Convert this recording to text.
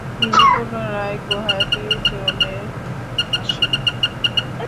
তিনি পুনরায় গুয়াহাটি চলে আসেন।